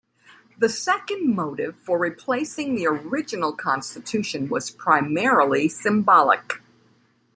The second motive for replacing the original constitution was primarily symbolic.